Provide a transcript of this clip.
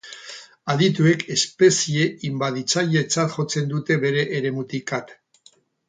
Adituek espezie inbaditzailetzat jotzen dute bere eremutik at.